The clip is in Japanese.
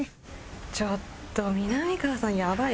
ちょっとみなみかわさんやばい。